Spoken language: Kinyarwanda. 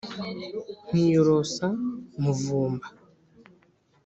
nkiyorosa muvumba